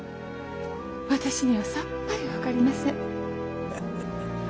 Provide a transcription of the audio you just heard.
私にはさっぱり分かりません。